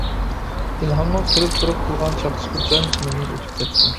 ئىلھامنىڭ كۈلۈپ تۇرۇپ قىلغان چاقچىقى جان-جىنىمدىن ئۆتۈپ كەتتى.